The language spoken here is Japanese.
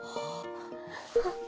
あっ。